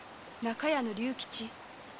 中屋の竜吉？